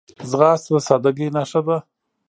ځغاسته د سادګۍ نښه ده